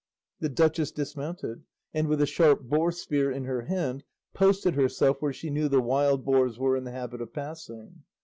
The duchess dismounted, and with a sharp boar spear in her hand posted herself where she knew the wild boars were in the habit of passing.